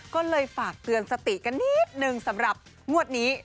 ก็เลยฝากเตือนสติกันนิดนึงสำหรับงวดนี้